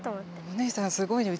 お姉さんすごいね。